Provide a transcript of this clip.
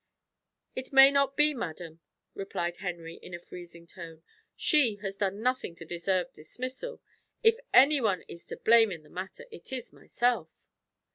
"It may not be, madam," replied Henry in a freezing tone; "she has done nothing to deserve dismissal. If any one is to blame in the matter, it is myself."